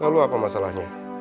lalu apa masalahnya